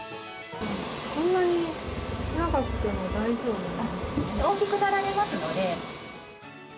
こんなに長くても大丈夫なん大きくなられますので。